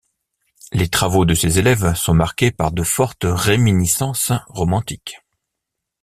Les travaux de ses élèves sont marqués par de fortes réminiscences romantiques.